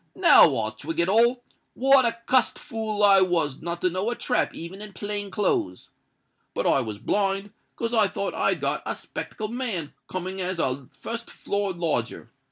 now I twig it all. What a cussed fool I was not to know a trap even in plain clothes! But I was blind, 'cause I thought I'd got a 'spectable man coming as a fust floor lodger.